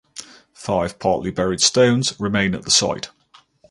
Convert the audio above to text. Five partly buried stones remain at the site.